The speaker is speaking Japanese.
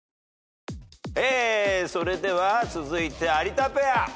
えーそれでは続いて有田ペア。